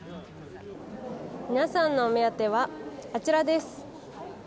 皆さんのお目当てはあちらです！